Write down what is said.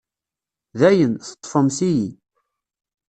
Dayen, teḍḍfemt-iyi.